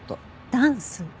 ダンス？